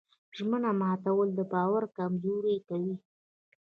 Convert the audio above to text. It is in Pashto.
ژمنه ماتول د باور کمزوري کوي.